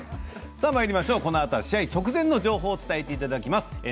このあとは試合直前の状況を伝えていただきます。